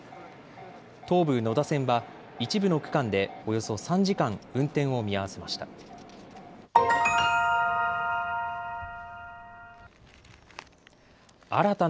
東武野田線は一部の区間でおよそ３時間、運転を見合わせました。